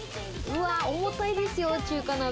重たいですよ、中華鍋。